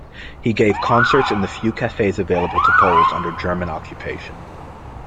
He gave concerts in the few cafes available to Poles under German occupation.